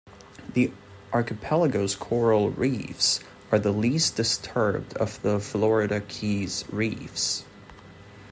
The archipelago's coral reefs are the least disturbed of the Florida Keys reefs.